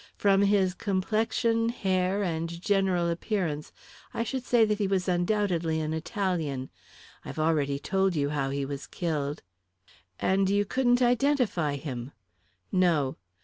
From his complexion, hair, and general appearance I should say that he was undoubtedly an Italian. I've already told you how he was killed." "And you couldn't identify him." "No."